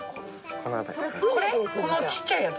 このちっちゃいやつ。